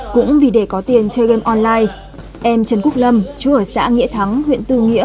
cũng vì để có tiền chơi game online em trần quốc lâm chú ở xã nghĩa thắng huyện tư nghĩa